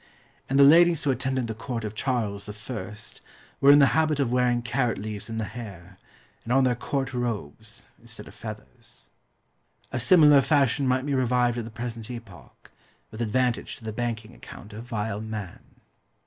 And the ladies who attended the court of Charles I. were in the habit of wearing carrot leaves in the hair, and on their court robes, instead of feathers. A similar fashion might be revived at the present epoch, with advantage to the banking account of vile man.